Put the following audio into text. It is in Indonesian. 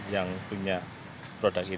yang punya produk ini